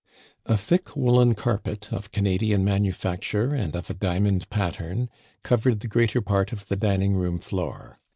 A thick woolen carpet, of Canadian manufacture and of a diamond pattern, covered the greater part of the dining room floor.